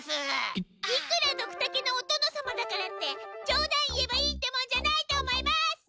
いくらドクタケのお殿様だからってじょう談言えばいいってもんじゃないと思います。